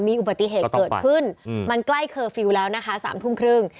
มีอุบัติเหตุเกิดขึ้นมันใกล้เคอร์ฟิลล์แล้วนะคะ๓ทุ่มครึ่ง